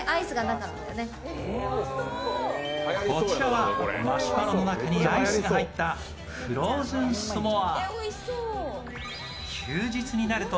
こちらはマシュマロの中にアイスが入ったフローズンスモア。